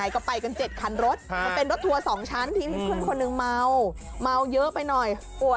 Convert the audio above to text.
ก็ไปกัน๗คันรถมันเป็นรถทัวร์๒ชั้นที่เพื่อนคนหนึ่งเมาเมาเยอะไปหน่อย